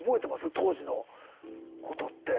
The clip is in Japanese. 当時のことって。